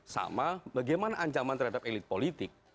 sama bagaimana ancaman terhadap elit politik